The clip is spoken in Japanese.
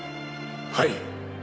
はい。